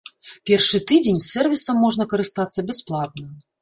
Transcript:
Першы тыдзень сэрвісам можна карыстацца бясплатна.